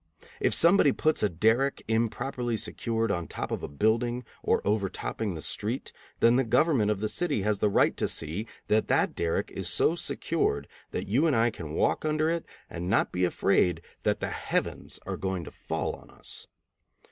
If somebody puts a derrick improperly secured on top of a building or overtopping the street, then the government of the city has the right to see that that derrick is so secured that you and I can walk under it and not be afraid that the heavens are going to fall on us.